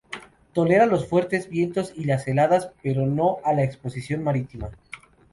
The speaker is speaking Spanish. Tolera los fuertes vientos y las heladas, pero no a la exposición marítima.